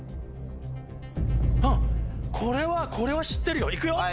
うんこれはこれは知ってるよ。